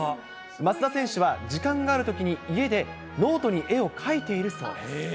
増田選手は時間があるときに、家でノートに絵を描いているそうです。